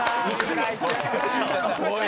おい！